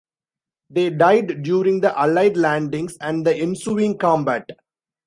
They died during the Allied landings and the ensuing combat.